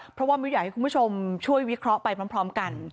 เพราะว่ามิ้วอยากให้คุณผู้ชมช่วยวิเคราะห์ไปพร้อมกัน